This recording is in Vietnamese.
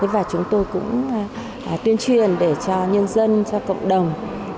và chúng tôi cũng tuyên truyền để cho nhân dân cho cộng đồng